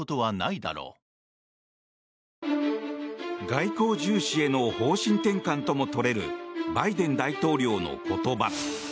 外交重視への方針転換とも取れるバイデン大統領の言葉。